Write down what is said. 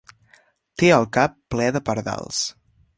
Té el cap ple de pardals.